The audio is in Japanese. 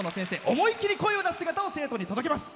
思い切り声を出す姿を生徒に届けます。